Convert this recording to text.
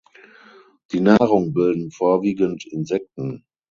Die Nahrung bilden vorwiegend Insekten.